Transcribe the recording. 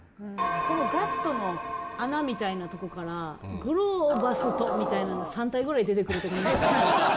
このガストの穴みたいなとこから「グローバス」みたいなのが３体ぐらい出てくると思いません？